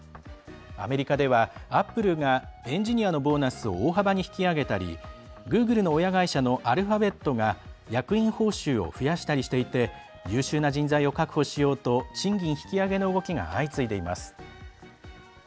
アメリカではアップルがエンジニアのボーナスを大幅に引き上げたりグーグルの親会社のアルファベットが役員報酬を増やしたりしていて優秀な人材を確保しようと賃金引き上げの動きが相次いでいます。